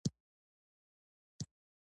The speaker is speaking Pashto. چاکلېټ د زیږون د جشن برخه ده.